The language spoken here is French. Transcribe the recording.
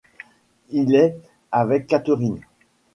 Il est avec Catherine.